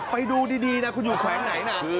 ไปดูดีคุณอยู่แขวนไหน